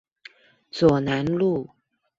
左楠路